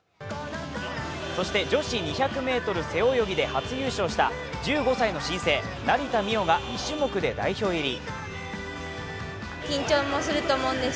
そして女子２００ｍ背泳ぎで初優勝した１５歳の新星・成田実生が２種目で代表入り。